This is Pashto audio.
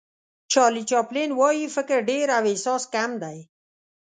چارلي چاپلین وایي فکر ډېر او احساس کم دی.